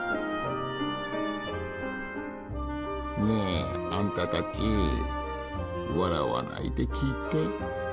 ねえあんたたち笑わないで聞いて。